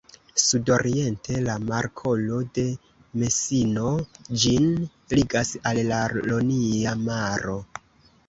Sudoriente la Markolo de Mesino ĝin ligas al la Ionia Maro.